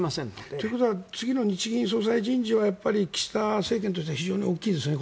ということは、次の日銀総裁人事は岸田政権としては大きいですね。